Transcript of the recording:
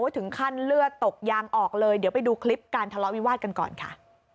ถึงขั้นเลือดตกยางออกเลยเดี๋ยวไปดูคลิปการทะเลาะวิวาสกันก่อนค่ะ